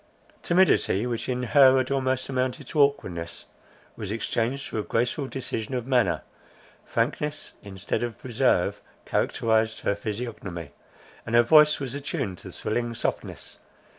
Timidity, which in her had almost amounted to awkwardness, was exchanged for a graceful decision of manner; frankness, instead of reserve, characterized her physiognomy; and her voice was attuned to thrilling softness.